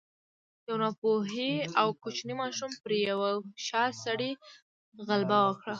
يوې ناپوهې او کوچنۍ ماشومې پر يوه هوښيار سړي غلبه وکړه.